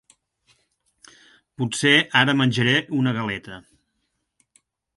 Potser ara menjaré una galeta.